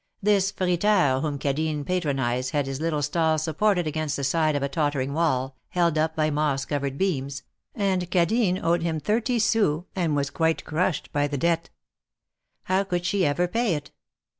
This Jriteur whom Cadine patronized had his little stall supported against the side of a tottering wall, held up by moss covered beams, and Cadine owed him thirty sous, and was quite crushed by the debt. How should she ever pay it?